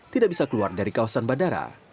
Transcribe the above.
tidak bisa keluar dari kawasan bandara